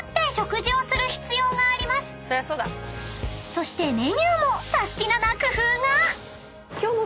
［そしてメニューもサスティなな工夫が］